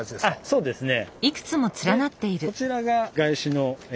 そうですね。